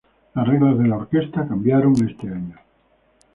Las reglas de la orquesta cambiaron este año.